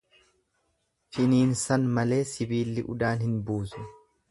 Finiinsan malee sibilli udaan hin buusu.